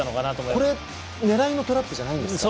これは狙いのトラップじゃないんですか？